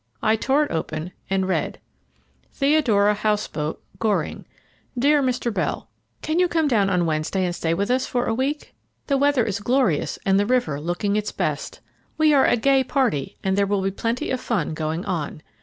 I tore it open and read: "Theodora House boat, Goring. "Dear Mr. Bell, "Can you come down on Wednesday and stay with us for a week? The weather is glorious and the river looking its best. We are a gay party, and there will be plenty of fun going on.